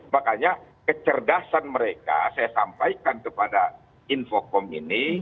makanya kecerdasan mereka saya sampaikan kepada infocom ini